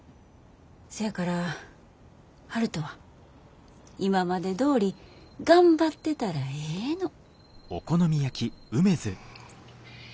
せやから悠人は今までどおり頑張ってたらええの。